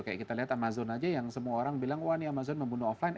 kayak kita lihat amazon aja yang semua orang bilang wah ini amazon membunuh offline